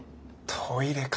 トイレか。